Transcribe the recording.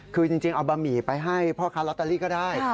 คือจริงเอาบะหมี่ไปให้พ่อค้าลอตเตอรี่ก็ได้